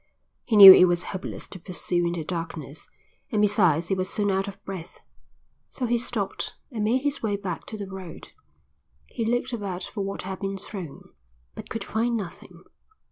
He knew it was hopeless to pursue in the darkness, and besides he was soon out of breath, so he stopped and made his way back to the road. He looked about for what had been thrown, but could find nothing.